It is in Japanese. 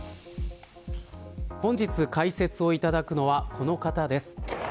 本日解説をいただくのはこの方です。